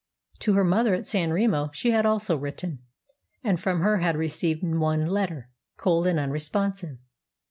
To her mother at San Remo she had also written, and from her had received one letter, cold and unresponsive.